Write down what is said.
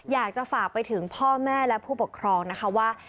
อยากจะฝากไปถึงพ่อแม่และผู้ปกครองนะคะว่า